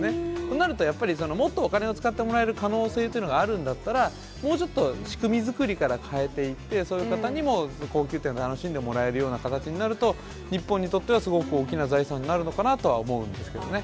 なると、やっぱりもっとお金を使ってもらえる可能性というのがあるんだったら、もうちょっと仕組みづくりから変えていって、そういう方にも高級店を楽しんでもらえるような形になると、日本にとってはすごく大きな財産になるのかなとは思うんですけどね。